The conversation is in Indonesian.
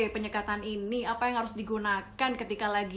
penyekatan ini apa yang harus digunakan ketika lagi